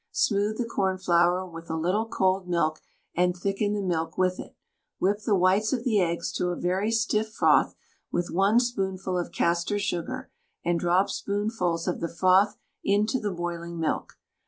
Smooth the cornflour with a little cold milk, and thicken the milk with it. Whip the whites of the eggs to a very stiff froth with 1 spoonful of castor sugar, and drop spoonfuls of the froth into the boiling milk.